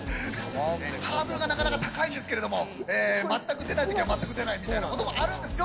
ハードルがなかなか高いんですけれども全く出ない時は全く出ないみたいな事もあるんですよ。